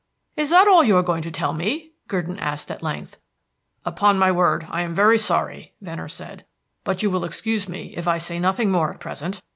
"Is that all you are going to tell me?" Gurdon asked at length. "Upon my word, I am very sorry," Venner said. "But you will excuse me if I say nothing more at present.